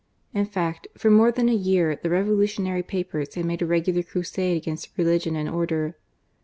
In fact, for more than a year the revolutionary papers had made a regular crusade against religion and order.